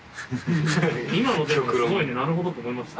今のですごいねなるほどと思いました。